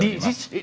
え？